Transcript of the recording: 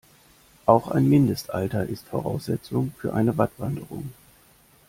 Auch ein Mindestalter ist Voraussetzung für eine Wattwanderung.